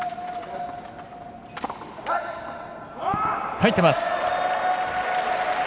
入ってます。